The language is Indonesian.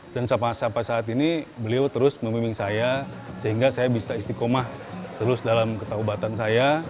dan sampai saat ini beliau terus memimping saya sehingga saya bisa istiqomah terus dalam ketahubatan saya